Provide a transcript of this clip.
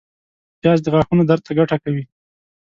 پیاز د غاښونو درد ته ګټه کوي